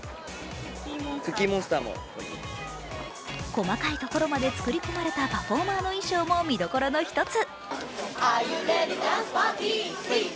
細かいところまで作り込まれたパフォーマーの衣装も見どころの１つ。